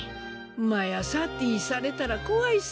まやさってぃされたら怖いさ。